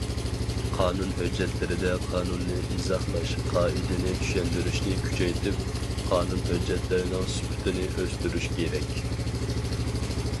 قانۇن ھۆججەتلىرىدە قانۇننى ئىزاھلاش، قائىدىنى چۈشەندۈرۈشنى كۈچەيتىپ، قانۇن ھۆججەتلىرىنىڭ سۈپىتىنى ئۆستۈرۈش كېرەك.